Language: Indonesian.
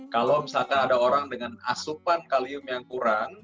kalau misalkan ada orang dengan asupan kalium yang kurang